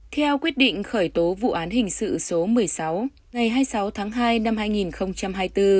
theo quyết định khởi tố vụ án hình sự số một mươi sáu ngày hai mươi sáu tháng hai năm hai nghìn hai mươi bốn